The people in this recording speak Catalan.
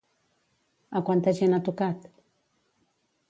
A quanta gent ha tocat?